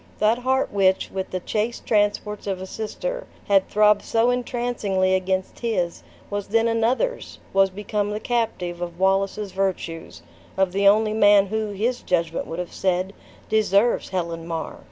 That heart which, with the chaste transports of a sister, had throbbed so entrancingly against his, was then another's! was become the captive of Wallace's virtues; of the only man who, his judgment would have said, deserves Helen Mar!